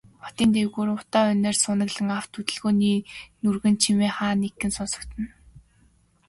Хотын дээгүүр утаа униар суунаглан, авто хөдөлгөөний нүргээнт чимээ хаа нэгхэн сонсогдоно.